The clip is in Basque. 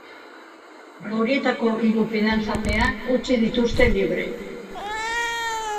Horietako hiru fidantzapean utzi dituzte libre.